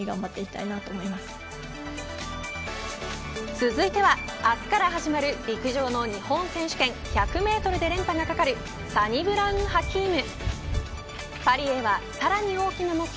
続いては、明日から始まる陸上の日本選手権１００メートルで連覇がかかるサニブラウン・ハキーム。